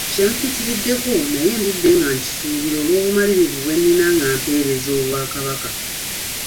Kyampitiriddeko naye ndudde nga nkisuubira olw'obumalirivu bwe nina nga mpeereza Obwakabaka.